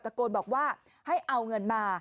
โกนบอกว่าให้เอาเงินมา